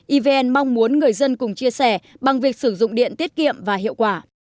evn mong muốn người dân cùng chia sẻ bằng việc sử dụng điện tiết kiệm và hiệu quả